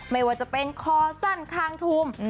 ไม่ว่าจะเป็นคอสั้นคางทุม